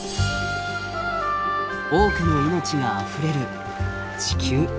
多くの命があふれる地球。